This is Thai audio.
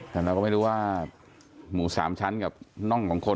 แต่เราก็ไม่รู้ว่าหมู๓ชั้นกับน่องของคน